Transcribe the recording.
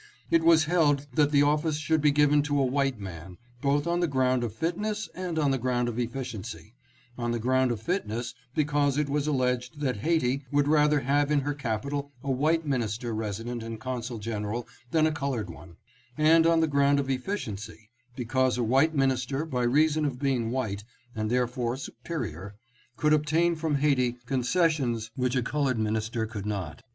It was held that the office should be given to a white man, both on the ground of fitness and on the ground of effi ciency, — on the ground of fitness because it was alleged that Ha'iti would rather have in her capital a white minister Resident and Consul General than a colored one ; and on the ground of efficiency because a white minister by reason of being white, and therefore supe rior, could obtain from Haiti concessions which a colored minister could not.